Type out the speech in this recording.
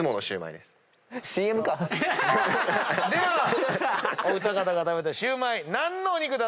ではお二方が食べたシュウマイ何のお肉だったのか？